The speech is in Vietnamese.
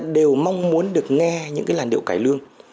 không muốn được nghe những làn điệu cải lương